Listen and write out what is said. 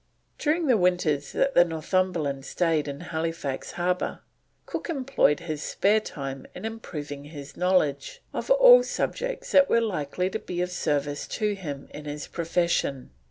During the winters that the Northumberland stayed in Halifax Harbour, Cook employed his spare time in improving his knowledge of all subjects that were likely to be of service to him in his profession.